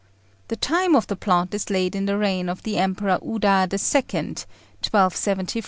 The time of the plot is laid in the reign of the Emperor Uda the Second (A.D. 1275 1289).